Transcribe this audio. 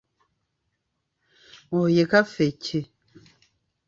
Oyo ye kaffecce.